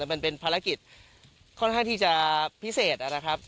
มันเป็นภารกิจค่อนข้างที่จะพิเศษนะครับ